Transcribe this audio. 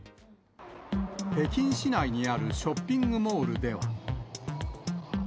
北京市内にあるショッピングモールでは。